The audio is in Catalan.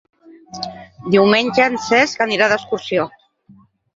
Diumenge en Cesc anirà d'excursió.